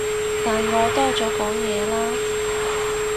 但我多咗講嘢啦